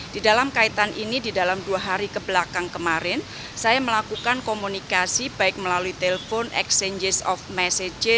di dalam kaitan ini di dalam dua hari kebelakang kemarin saya melakukan komunikasi baik melalui telepon exchanges of message